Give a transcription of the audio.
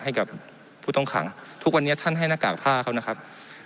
ให้กับผู้ต้องขังทุกวันนี้ท่านให้หน้ากากผ้าเขานะครับ